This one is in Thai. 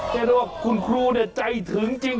แต่ว่าคุณครูในใจถึงจริง